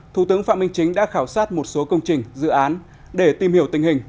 thủ tướng phạm minh chính đã khảo sát một số công trình dự án để tìm hiểu tình hình